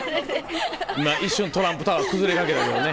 今一瞬トランプタワー崩れかけたけどね。